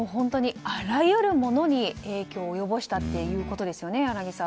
あらゆるものに、影響を及ぼしたということですよね。